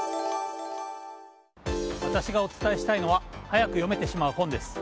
私がお伝えしたいのは早く読めてしまう本です。